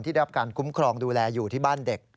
ได้รับการคุ้มครองดูแลอยู่ที่บ้านเด็ก